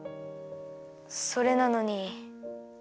それなのに。